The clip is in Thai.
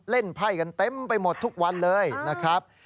ไพ่กันเต็มไปหมดทุกวันเลยนะครับ